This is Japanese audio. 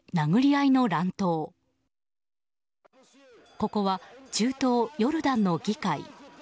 ここは、中東ヨルダンの議会。